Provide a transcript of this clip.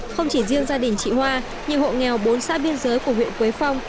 không chỉ riêng gia đình chị hoa nhiều hộ nghèo bốn xã biên giới của huyện quế phong